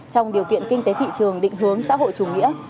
trong điều kiện kinh tế thị trường định hướng xã hội chủ nghĩa